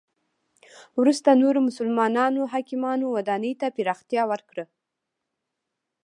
وروسته نورو مسلمانو حاکمانو ودانی ته پراختیا ورکړه.